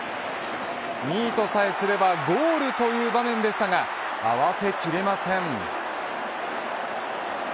ミートさえすればゴールという場面でしたが合わせきれません。